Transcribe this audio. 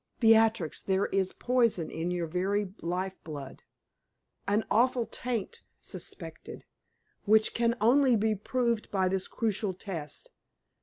Beatrix, there is poison in your very life blood an awful taint suspected, which can only be proved by this crucial test.